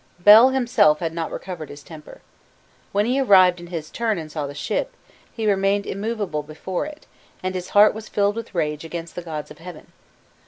Bel himself had not recovered his temper: "When he arrived in his turn and saw the ship, he remained immovable before it, and his heart was filled with rage against the gods of heaven.